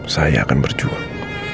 saya akan berjuang